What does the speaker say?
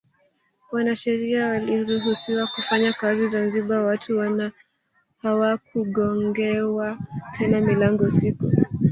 Wanasheria waliruhusiwa kufanya kazi Zanzibar watu hawakugongewa tena milango usiku